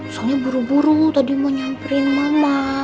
soalnya buru buru tadi mau nyamperin mama